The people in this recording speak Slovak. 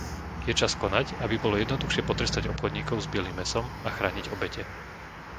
Je čas konať, aby bolo jednoduchšie potrestať obchodníkov s bielym mäsom a chrániť obete.